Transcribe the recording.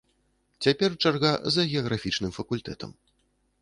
Цяпер чарга за геаграфічным факультэтам.